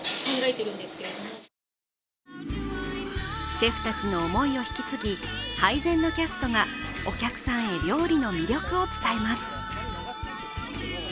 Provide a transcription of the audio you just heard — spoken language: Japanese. シェフたちの思いを引き継ぎ、配膳のキャストがお客さんへ料理の魅力を伝えます。